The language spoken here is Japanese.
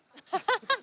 ハハハッ。